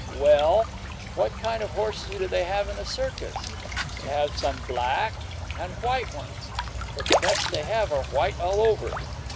Well, what kind of horses do they have in a circus? They have some black and white ones, but the best they have are white all over.